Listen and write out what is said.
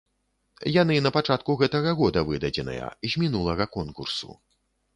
Яны на пачатку гэтага года выдадзеныя, з мінулага конкурсу.